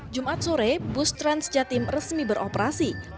jumat sore bus transjatim resmi beroperasi